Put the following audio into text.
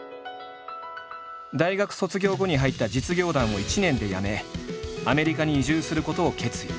大学卒業後に入った実業団を１年で辞めアメリカに移住することを決意。